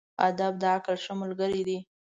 ادب د عقل ښه ملګری دی.